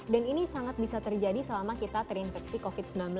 dan ini sangat bisa terjadi selama kita terinfeksi covid sembilan belas